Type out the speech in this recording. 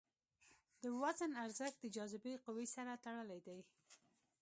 د وزن ارزښت د جاذبې قوې سره تړلی دی.